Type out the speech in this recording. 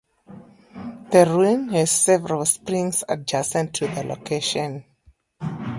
The ruin has several springs adjacent to the location.